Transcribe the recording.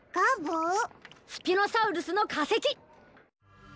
スピノサウルスのかせき！